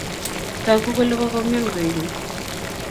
Tagu kole kokomian koek keny.